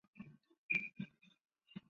英国红底则在右下角。